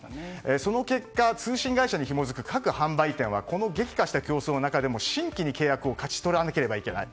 その結果、通信会社にひもづく各販売店はこの激化した競争の中でも新規の契約を勝ち取らなくてはいけない。